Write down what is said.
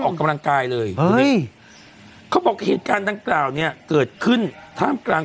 ออกกำลังกายเลยเขาบอกเหตุการณ์ดังกล่าวเนี่ยเกิดขึ้นท่ามกลาง